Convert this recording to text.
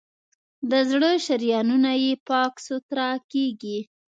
د زړه شریانونه یې پاک سوتړه کېږي.